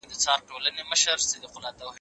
زه اوږده وخت لوبه کوم،